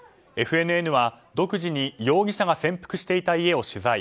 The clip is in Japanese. ＦＮＮは、独自に容疑者が潜伏していた家を取材。